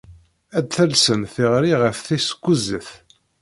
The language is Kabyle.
Ad d-talsem tiɣri ɣef tis kuẓet.